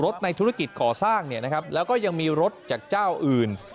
ในธุรกิจก่อสร้างเนี่ยนะครับแล้วก็ยังมีรถจากเจ้าอื่น